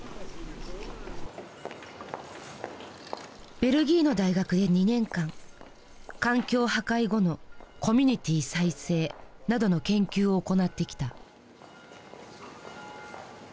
ベルギーの大学で２年間環境破壊後のコミュニティー再生などの研究を行ってきた。